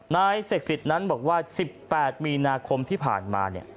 นายเสกสิทธิ์นั้นบอกว่า๑๘มีนาคมที่ผ่านมาเนี่ย